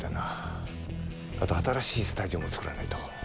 あと新しいスタジオも作らないと。